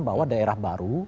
bahwa daerah baru